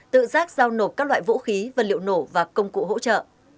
tự giác giao nộp các loại vũ khí vật liệu nổ và công cụ hỗ trợ